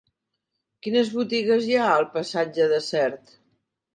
Quines botigues hi ha al passatge de Sert?